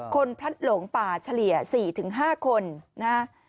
คนพลัดหลงป่าเฉลี่ย๔๕คนนะครับ